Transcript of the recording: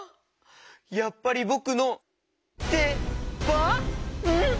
やっぱりぼくのでばん？